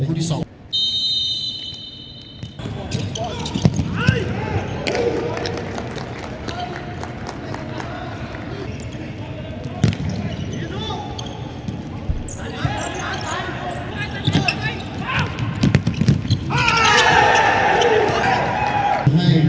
ขอเช็คทุกท่านโปรตจีนครบ